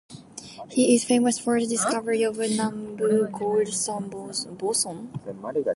He is famous for the discovery of the Nambu-Goldstone boson.